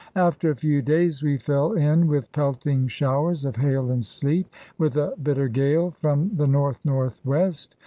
After a few days we fell in with pelting showers of hail and sleet, with a bitter gale from the north north west.